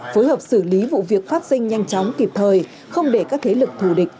phối hợp xử lý vụ việc phát sinh nhanh chóng kịp thời không để các thế lực thù địch